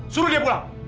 suruh dia pulang